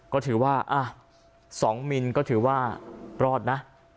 ก็ถือว่า๒มิลลิเมตรก็ถือว่ารอดนะ